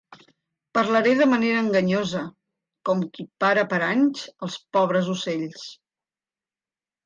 Parlaré de manera enganyosa, com qui para paranys als pobres ocells.